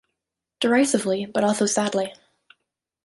Derisively, but also sadly.